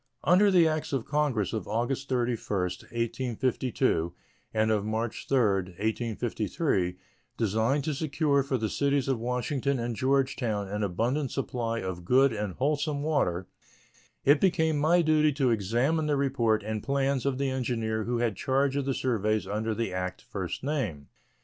Under the acts of Congress of August 31, 1852, and of March 3, 1853, designed to secure for the cities of Washington and Georgetown an abundant supply of good and wholesome water, it became my duty to examine the report and plans of the engineer who had charge of the surveys under the act first named.